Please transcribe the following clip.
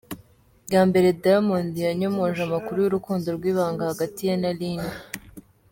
Bwa mbere, Diamond yanyomoje amakuru y’urukundo rw’ibanga hagati ye na Lynn.